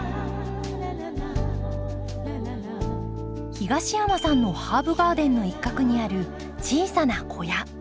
東山さんのハーブガーデンの一角にある小さな小屋。